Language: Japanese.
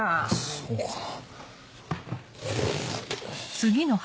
そうかな。